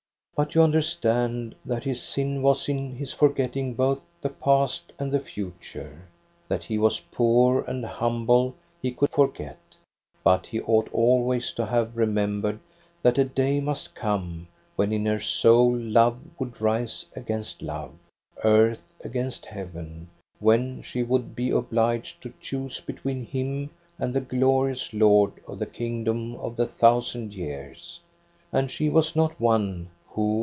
" But you understand that his sin was in his for getting both the past and the future. That he was poor and humble he could forget; but he ought always to have remembered that a day must come when in her soul love would rise against love, earth against heaven, when she would be obliged to choose between him and the glorious Lord of the kingdom of the thousand years. And she was not one wh9.